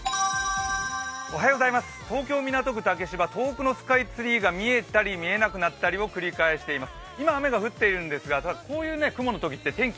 東京・港区竹芝、遠くのスカイツリーが見えたり見えなくなったりを繰り返しています。